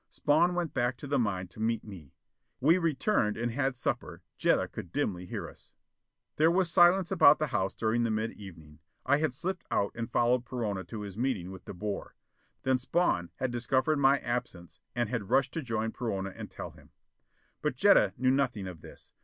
Spawn went back to the mine to meet me. We returned and had supper, Jetta could dimly hear us. There was silence about the house during the mid evening. I had slipped out and followed Perona to his meeting with De Boer. Then Spawn had discovered my absence and had rushed to join Perona and tell him. But Jetta knew nothing of this.